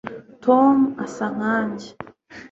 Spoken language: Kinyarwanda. tom asa nkanjye